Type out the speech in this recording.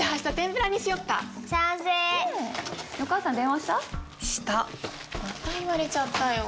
また言われちゃったよ。